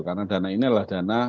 karena dana ini adalah dana